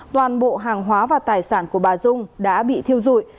toàn bộ hàng hóa và tài sản của bà dung đã bị thiêu dụi